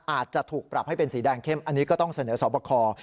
อาจจะถูกปรับให้เป็นสีแดงเข้มอันนี้ก็ต้องเสนอสอบคอ